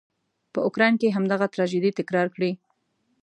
په اوکراین کې همدغه تراژيدي تکرار کړي.